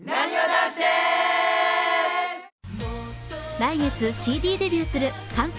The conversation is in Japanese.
来月、ＣＤデビューする関西